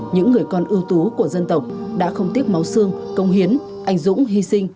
những người con ưu tú của dân tộc đã không tiếc máu xương công hiến anh dũng hy sinh